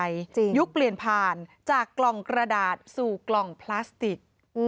ยุคเปลี่ยนผ่านจากกล่องกระดาษสู่กล่องพลาสติก